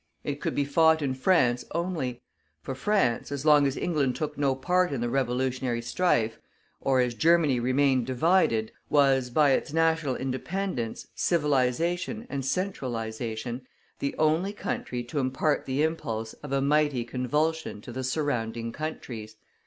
It could be fought in France only; for France, as long as England took no part in the revolutionary strife, or as Germany remained divided, was, by its national independence, civilization, and centralization, the only country to impart the impulse of a mighty convulsion to the surrounding countries.